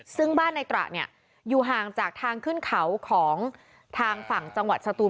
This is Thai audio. ซึ่งบ้านในตระเนี่ยอยู่ห่างจากทางขึ้นเขาของทางฝั่งจังหวัดสตูน